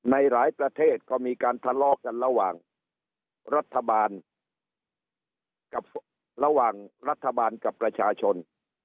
ในหลายประเทศก็มีการทะเลาะกันระหว่างรัฐบาลกับประชาชน